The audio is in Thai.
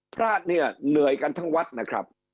พระเนี่ยเหนื่อยกันทั้งวัดนะครับ